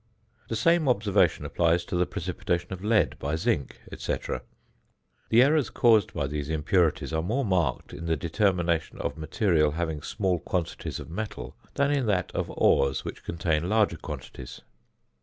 The same observation applies to the precipitation of lead by zinc, &c. The errors caused by these impurities are more marked in the determination of material having small quantities of metal than in that of ores which contain larger quantities.